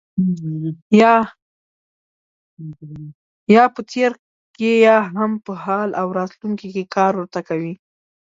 یا په تېر کې یا هم په حال او راتلونکي کې کار ورته کوي.